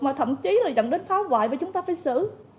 mà thậm chí là dẫn đến phá hoại và chúng ta phải xử